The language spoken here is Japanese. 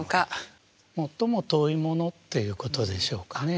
最も遠いものっていうことでしょうかね。